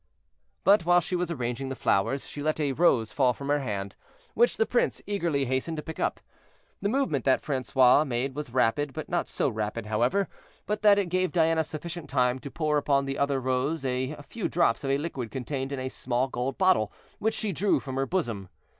But, while she was arranging the flowers, she let a rose fall from her hand, which the prince eagerly hastened to pick up. The movement that Francois made was rapid, but not so rapid, however, but that it gave Diana sufficient time to pour upon the other rose a few drops of a liquid contained in a small gold bottle which she drew from her bosom.